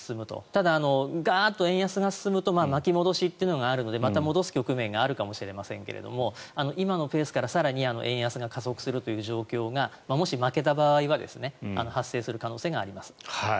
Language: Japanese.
ただ、ガーッと円安が進むと巻き戻しというのがあるのでまた戻す局面があるかもしれませんが今のペースから更に円安が加速するという状況がもし負けた場合は発生する可能性があります。